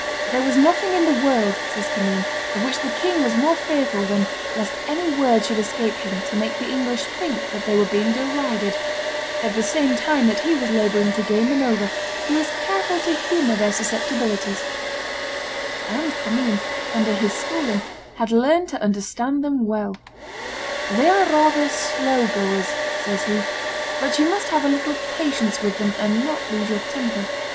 "There was nothing in the world," says Commynes, "of which the king was more fearful than lest any word should escape him to make the English think that they were being derided; at the same time that he was laboring to gain them over, he was careful to humor their susceptibilities;" and Commynes, under his schooling, had learned to understand them well: "They are rather slow goers," says he, "but you must have a little patience with them, and not lose your temper.